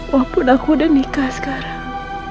walaupun aku udah nikah sekarang